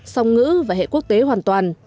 tư và hệ quốc tế hoàn toàn